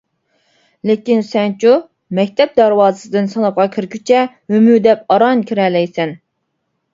لېكىن سەنچۇ، مەكتەپ دەرۋازىسىدىن سىنىپقا كىرگۈچە ھۆمۈدەپ ئاران كىرەلەيسەن.